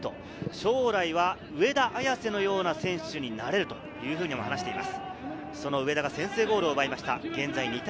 将来は上田綺世のような選手になれると話しています。